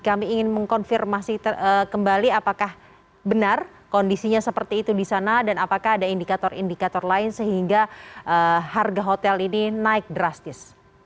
kami ingin mengkonfirmasi kembali apakah benar kondisinya seperti itu di sana dan apakah ada indikator indikator lain sehingga harga hotel ini naik drastis